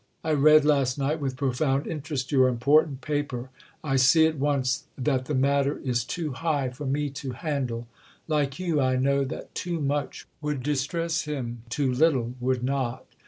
I read last night with profound interest your important paper. I see at once that the matter is too high for me to handle. Like you I know that too much would distress him, too little would not.